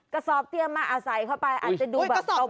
กะสอบเข้าไปดู